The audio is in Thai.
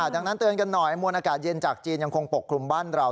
ดังนั้นเตือนกันหน่อยมวลอากาศเย็นจากจีนยังคงปกคลุมบ้านเรา